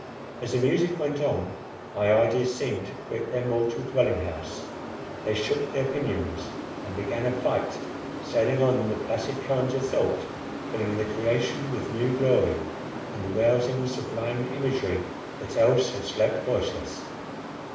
As the music went on, my ideas seemed to quit their mortal dwelling house; they shook their pinions and began a flight, sailing on the placid current of thought, filling the creation with new glory, and rousing sublime imagery that else had slept voiceless.